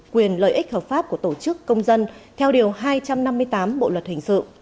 quyền lợi ích hợp pháp của tổ chức công dân theo điều hai trăm năm mươi tám bộ luật hình sự